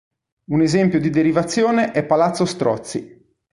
Un esempio di derivazione è Palazzo Strozzi.